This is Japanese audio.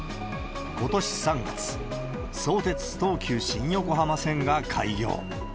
ことし３月、相鉄・東急新横浜選が開業。